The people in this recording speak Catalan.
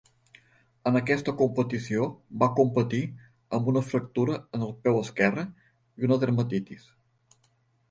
En aquesta competició va competir amb una fractura en el peu esquerre i una dermatitis.